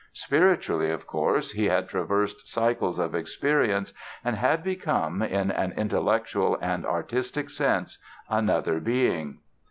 Spiritually, of course, he had traversed cycles of experience and had become, in an intellectual and artistic sense, another being.